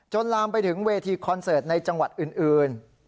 ลามไปถึงเวทีคอนเสิร์ตในจังหวัดอื่น